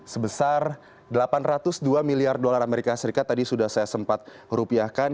sebesar delapan ratus dua miliar dolar amerika serikat tadi sudah saya sempat rupiahkan